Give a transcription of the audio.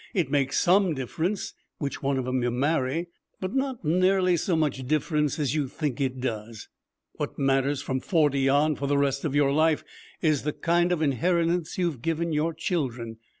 It makes some difference which one of 'em you marry, but not nearly so much difference as you think it does. What matters, from forty on, for the rest of your life, is the kind of inheritance you've given your children.